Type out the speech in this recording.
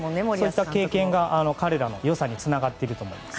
そういった経験が彼らの良さにつながっていると思います。